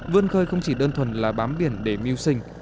vươn khơi không chỉ đơn thuần là bám biển để mưu sinh